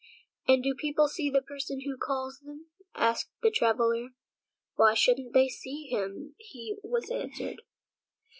"And do people see the person who calls them?" asked the traveler. "Why shouldn't they see him?" he was answered.